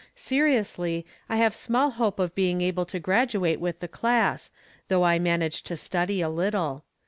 Seriously, I have small hope of being able to graduate with the class, though I manage to study a little.